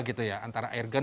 butuh buang air gun